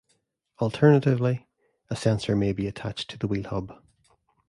Alternatively, a sensor may be attached to the wheel hub.